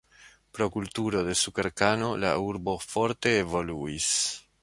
Pro kulturo de sukerkano la urbo forte evoluis.